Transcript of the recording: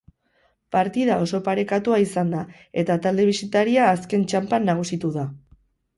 Partida oso parekatua izan da, eta talde bisitaria azken txanpan nagusitu da.